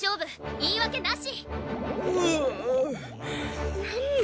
言い訳なし！